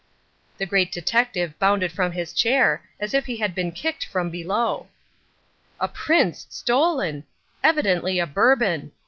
The Great Detective bounded from his chair as if he had been kicked from below. A prince stolen! Evidently a Bourbon!